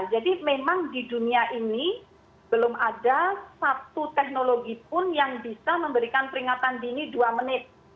jadi memang di dunia ini belum ada satu teknologi pun yang bisa memberikan peringatan dini dua menit